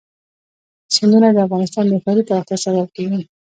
سیندونه د افغانستان د ښاري پراختیا سبب کېږي.